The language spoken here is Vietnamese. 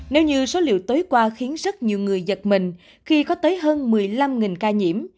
nếu như số liệu tối qua khiến rất nhiều người giật mình khi có tới hơn một mươi năm ca nhiễm